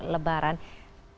terima kasih bunker